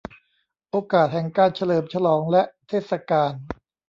โอกาสแห่งการเฉลิมฉลองและเทศกาล